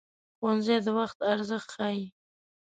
ښوونځی د وخت ارزښت ښيي